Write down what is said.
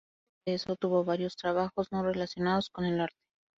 Antes de eso tuvo varios trabajos no relacionados con el arte.